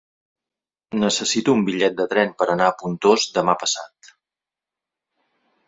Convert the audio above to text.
Necessito un bitllet de tren per anar a Pontós demà passat.